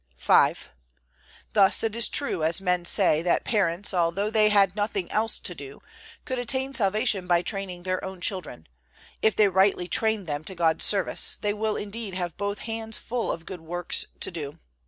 V. Thus it is true, as men say, that parents, although they had nothing else to do, could attain salvation by training their own children; if they rightly train them to God's service, they will indeed have both hands full of good works to do.